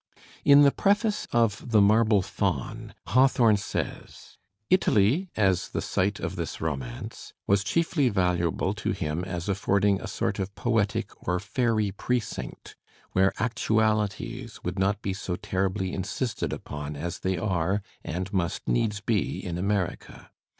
In the preface of "The Marble Faun" Hawthorne says: Italy, as the site of this romance, was chiefly valuable to him as affording a sort of poetic or fairy precinct, where actualities would not be so terribly insisted upon as they are, and must needs be, in America.